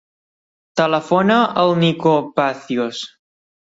Telefona al Nico Pacios.